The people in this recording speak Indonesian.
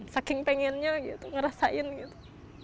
saking pengennya gitu ngerasain gitu